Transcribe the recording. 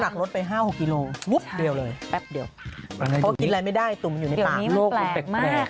มันโดนไป๕๖กิโลแป๊บเดี๋ยวเพราะกินอะไรไม่ได้ตุ๋มอยู่ในปาก